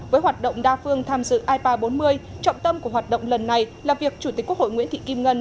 với hoạt động đa phương tham dự i ba trăm bốn mươi trọng tâm của hoạt động lần này là việc chủ tịch quốc hội nguyễn thị kim ngân